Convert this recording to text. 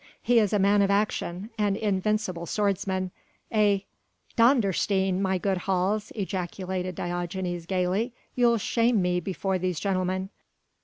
He is a man of action, an invincible swordsman, a " "Dondersteen, my good Hals!" ejaculated Diogenes gaily, "you'll shame me before these gentlemen."